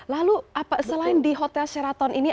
lalu selain di hotel sheraton ini